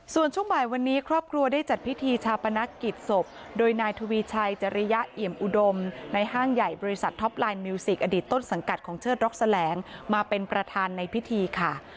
ส่วนช่วงบ่ายวันนี้ครอบครัวได้จัดพิธีชาปนกิจศพโดยนายทวีชัยจริยะเอี่ยมอุดมในห้างใหญ่บริษัทท็อปไลน์มิวสิกอดีตต้นสังกัดของเชิดร็อกแสลงมาเป็นประธานในพิธีค่ะ